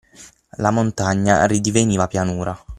La montagna ridiveniva pianura.